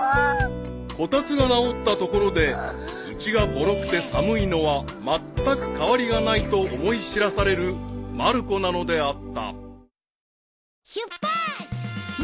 ［こたつが直ったところでうちがぼろくて寒いのはまったく変わりがないと思い知らされるまる子なのであった］